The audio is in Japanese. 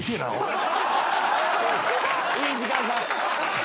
「いい時間差」